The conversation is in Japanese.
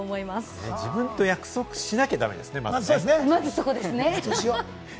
自分と約束しなきゃだめですね、まずね。